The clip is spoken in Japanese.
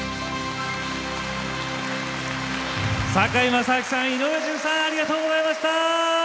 堺正章さん、井上順さんありがとうございました。